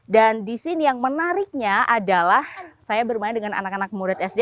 dan di sini yang menariknya adalah saya bermain dengan anak anak murid sd